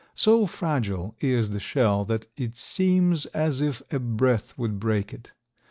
So fragile is the shell that it seems as if a breath would break it.